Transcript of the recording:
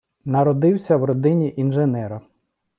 Народився в родині інженера.